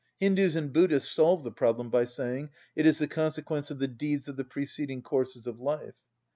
Hindus and Buddhists solve the problem by saying, "It is the consequence of the deeds of the preceding courses of life."